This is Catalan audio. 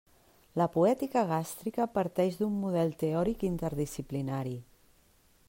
La poètica gàstrica parteix d'un model teòric interdisciplinari.